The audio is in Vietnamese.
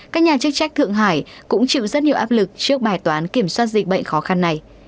các nhà chức trách thượng hải cũng chịu rất nhiều áp lực trước bài toán kiểm soát dịch bệnh khó khăn này